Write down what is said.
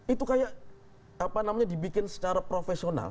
itu kayak apa namanya dibikin secara profesional